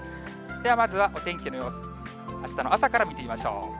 ではまずは天気の様子、あしたの朝から見てみましょう。